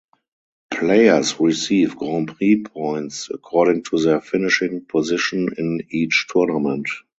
Players receive Grand Prix points according to their finishing position in each tournament.